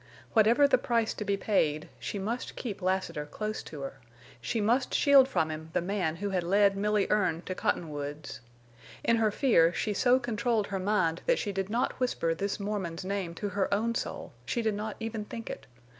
Whatever the price to be paid, she must keep Lassiter close to her; she must shield from him the man who had led Milly Erne to Cottonwoods. In her fear she so controlled her mind that she did not whisper this Mormon's name to her own soul, she did not even think it.